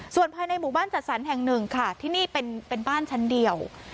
ส่วนภายในหมู่บ้านจัดสรรแห่งหนึ่งค่ะที่นี่เป็นบ้านชั้นเดียว